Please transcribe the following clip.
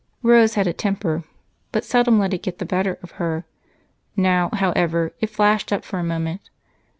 Rose had a temper, but seldom let it get the better of her; now, however, it flashed up for a moment.